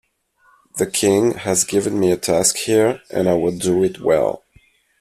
The king has given me a task here and I will do it well.